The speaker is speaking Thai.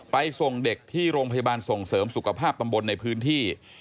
ส่งเด็กที่โรงพยาบาลส่งเสริมสุขภาพตำบลในพื้นที่